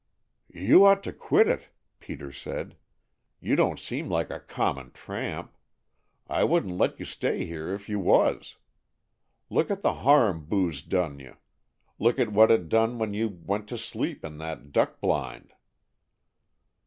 "You'd ought to quit it," Peter said. "You don't seem like a common tramp. I wouldn't let you stay here if you was. Look at the harm booze done you. Look at what it done when you went to sleep in that duck blind."